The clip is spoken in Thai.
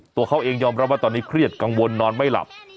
ตัวเขาเองยอมรับว่าตอนนี้เครียดกังวลนอนไม่หลับ